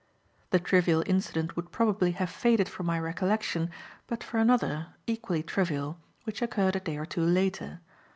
The trivial incident would probably have faded from my recollection but for another, equally trivial, which occurred a day or two later.